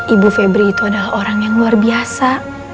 ibu febri itu adalah orang yang luar biasa